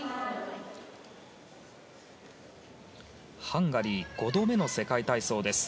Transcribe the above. ハンガリー５度目の世界体操です。